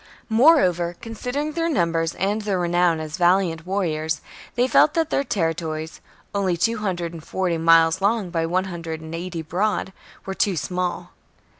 Moreover, considering their numbers and their renown as valiant warriors, they felt that their territories — only two hundred and forty miles long by one hundred and eighty broad — were too small.